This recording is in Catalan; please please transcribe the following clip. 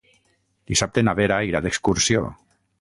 Dissabte na Vera irà d'excursió.